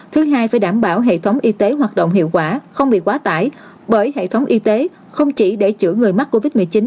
thứ hai phải đảm bảo hệ thống y tế hoạt động hiệu quả không bị quá tải